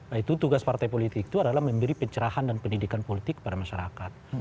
nah itu tugas partai politik itu adalah memberi pencerahan dan pendidikan politik kepada masyarakat